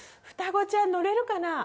双子ちゃん乗れるかな？